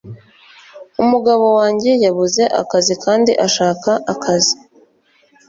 Umugabo wanjye yabuze akazi kandi ashaka akazi.